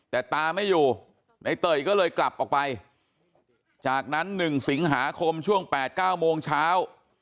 แต่ตาไม่อยู่ในเตยก็เลยกลับออกไปจากนั้น๑สิงหาคมช่วง๘๙โมงเช้า